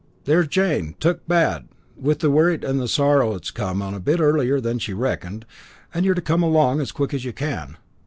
There's Jane took bad; wi' the worrit and the sorrow it's come on a bit earlier than she reckoned, and you're to come along as quick as you can.